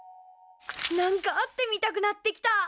なんか会ってみたくなってきた。